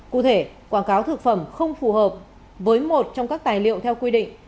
cụ thể quảng cáo thực phẩm không phù hợp với một trong các tài liệu theo quy định